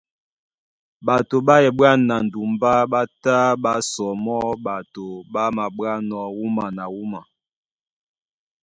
Ɓato ɓá eɓwân na ndumbá ɓá tá ɓá sɔmɔ́ ɓato ɓá maɓwánɔ̄ wúma na wúma.